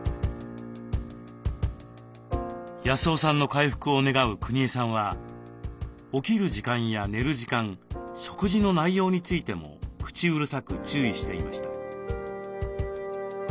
康雄さんの回復を願うくにえさんは起きる時間や寝る時間食事の内容についても口うるさく注意していました。